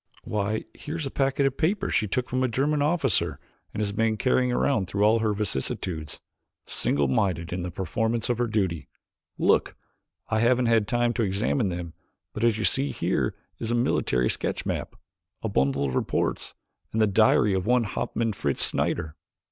"Why, here's a packet of papers she took from a German officer and has been carrying it through all her vicissitudes single minded in the performance of her duty. Look! I haven't yet had time to examine them but as you see here is a military sketch map, a bundle of reports, and the diary of one Hauptmann Fritz Schneider."